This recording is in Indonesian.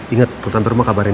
ingat tulisan perumah kabarin